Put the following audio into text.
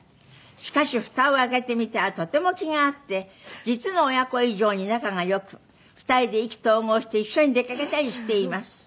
「しかしふたを開けてみたらとても気が合って実の親子以上に仲が良く２人で意気投合して一緒に出かけたりしています」